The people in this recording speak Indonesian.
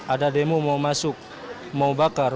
ada demo mau masuk mau bakar